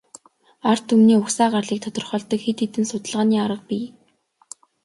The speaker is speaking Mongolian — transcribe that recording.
Ард түмний угсаа гарлыг тодорхойлдог хэд хэдэн судалгааны арга бий.